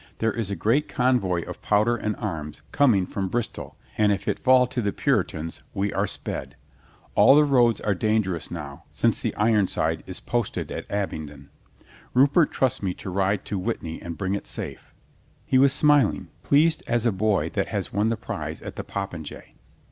There is a great convoy of powder and arms coming from Bristol and if it fall to the Puritans we are sped. All the roads are dangerous now, since the Ironside is posted at Abingdon. Rupert THE SURPRISE OF LUCINDA 217 trusts me to ride to Witney and bring it safe." He was smiling, pleased as a boy that has won the prize at the popinjay.